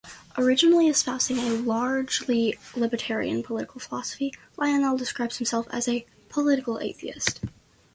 Originally espousing a largely libertarian political philosophy, Lionel describes himself as a "political atheist".